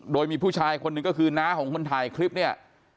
โดยมีผู้ชายคนหนึ่งก็คือน้าของคนถ่ายคลิปเนี่ย